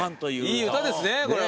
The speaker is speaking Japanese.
いい歌ですねこれは。